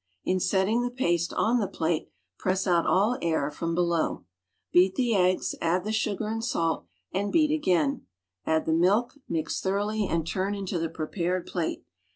In setting the paste on the plate, press out all air from be low. Beat the eggs, add tlic sugar and salt and beat again, add the milk, mix thoroughly and turn into the prepared plate.